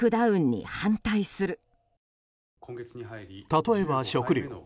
例えば、食料。